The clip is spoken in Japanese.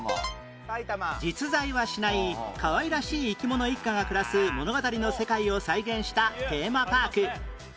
実在はしないかわいらしい生き物一家が暮らす物語の世界を再現したテーマパーク